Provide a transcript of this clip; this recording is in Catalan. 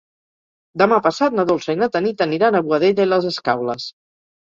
Demà passat na Dolça i na Tanit aniran a Boadella i les Escaules.